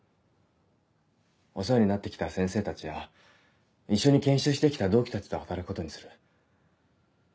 お世話になって来た先生たちや一緒に研修して来た同期たちと働くことにする。